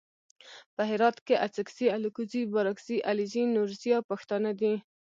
په هرات کې اڅګزي الکوزي بارګزي علیزي نورزي او پښتانه دي.